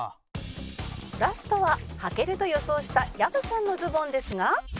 ラストは「はける」と予想した藪さんのズボンですが。